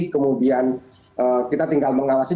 kemudian kita tinggal mengawasi